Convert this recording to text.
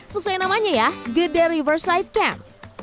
sesuai namanya ya gede riversight camp